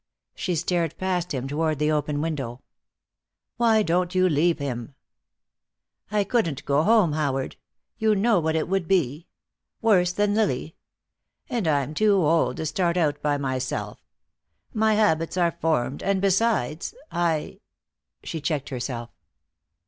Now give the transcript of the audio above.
She stared past him toward the open window. "Why don't you leave him?" "I couldn't go home, Howard. You know what it would be. Worse than Lily. And I'm too old to start out by myself. My habits are formed, and besides, I " She checked herself.